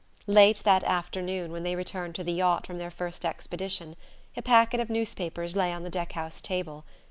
Late that afternoon, when they returned to the yacht from their first expedition, a packet of newspapers lay on the deck house table.